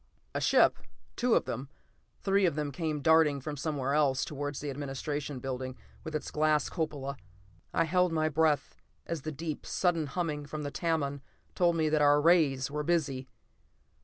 A ship, two of them, three of them came darting from somewhere, towards the administration building, with its glass cupola. I held my breath as the deep, sudden humming from the Tamon told me that our rays were busy.